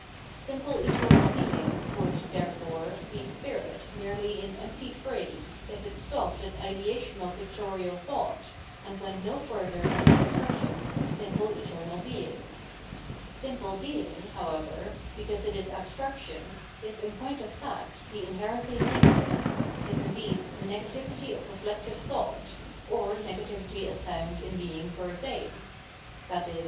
Simple eternal Being would, therefore, be spirit merely in empty phrase, if it stopped at ideational pic torial thought, and went no further than the expression of simple eternal Being/^ " Simple Being,^^ however, because it is abstraction, is in point of fact the inherently negative, is indeed the negativity of reflective thought, or negativity as found in Being per se ; i.e.